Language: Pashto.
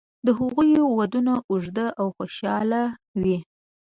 د هغوی ودونه اوږده او خوشاله وي.